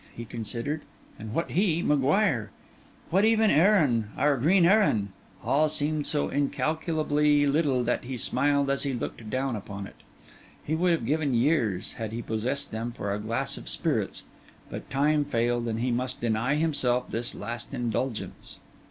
he considered, and what he, M'Guire? What even Erin, our green Erin? All seemed so incalculably little that he smiled as he looked down upon it. He would have given years, had he possessed them, for a glass of spirits; but time failed, and he must deny himself this last indulgence.